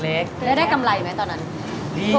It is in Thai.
แล้วได้กำไรไหมตอนนั้น